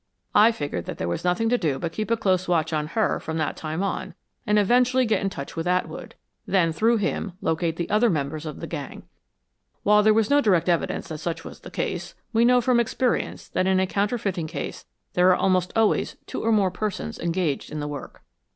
I figured that there was nothing to do but keep a close watch on her from that time on, and eventually get in touch with Atwood; then, through him, locate the other members of the gang. While there was no direct evidence that such was the case, we know from experience that in a counterfeiting case there are almost always two or more persons engaged in the work."